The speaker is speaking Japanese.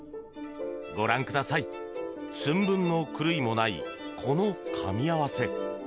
ご覧ください、寸分の狂いもないこのかみ合わせ。